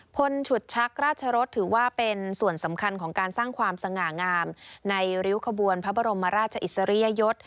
พลฉุดชักราชรสถือว่าเป็นส่วนสำคัญของการสร้างความสง่างามในริ้วขบวนพระบรมราชอิสริยยศ